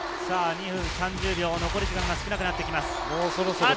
２分３０秒、残り時間が少なくなってきます。